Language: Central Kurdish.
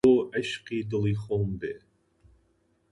با هەر بۆ عیشقی دڵی خۆم بێ